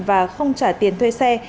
và không trả tiền thuê xe